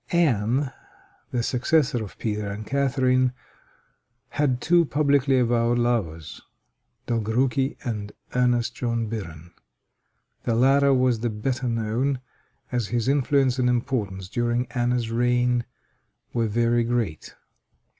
Anne, the successor of Peter and Catharine, had two publicly avowed lovers Dolgorouki and Ernest John Biren. The latter was the better known, as his influence and importance during Anne's reign were very great.